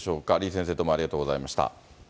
李先生、どうもありがとうございました。